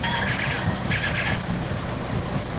ولي پاکستان له افغانستان سره خپلې سوداګریزې اړیکي پراخوي؟